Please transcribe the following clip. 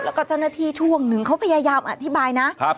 แล้วก็เจ้าหน้าที่ช่วงหนึ่งเขาพยายามอธิบายนะ